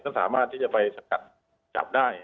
ก็สามารถที่จะไปสกัดจับได้